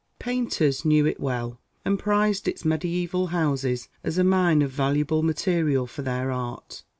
Painters knew it well, and prized its mediaeval houses as a mine of valuable material for their art.